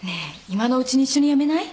今のうちに一緒に辞めない？